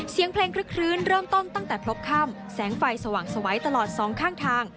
เสียงเพลงคลึกคลื้นเริ่มต้นตั้งแต่พบค่ำแสงไฟสว่างสวัยตลอดสองข้างทาง